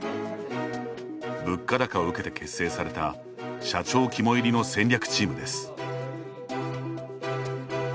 物価高を受けて結成された社長肝いりの戦略チームです。